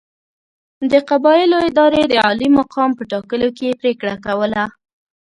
د قبایلو ادارې د عالي مقام په ټاکلو کې پرېکړه کوله.